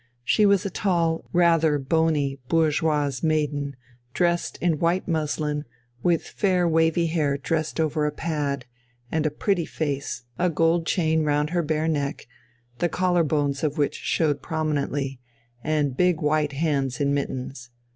She was a tall, rather bony bourgeoise maiden, dressed in white muslin, with fair wavy hair dressed over a pad, and a pretty face, a gold chain round her bare neck, the collar bones of which showed prominently, and big white hands in mittens.